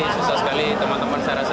susah sekali teman teman saya rasa